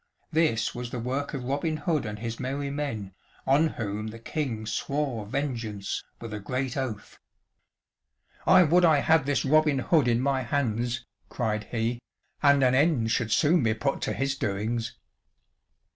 This was the work of Robin Hood and his merry men, on whom the king swore vengeance with a great oath. "I would I had this Robin Hood in my hands," cried he, "and an end should soon be put to his doings."